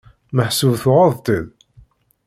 Meḥsub tuɣeḍ-tt-id?